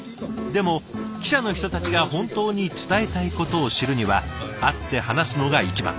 でも記者の人たちが本当に伝えたいことを知るには会って話すのが一番。